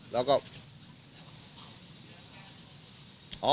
แล้วก็